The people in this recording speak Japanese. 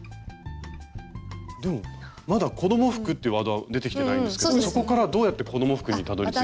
でもまだ「子ども服」ってワードは出てきてないんですけどそこからどうやって子ども服にたどりついた？